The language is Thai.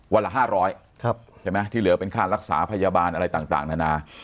ละ๕๐๐ใช่ไหมที่เหลือเป็นค่ารักษาพยาบาลอะไรต่างนานา